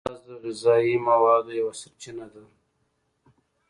پیاز د غذایي موادو یوه سرچینه ده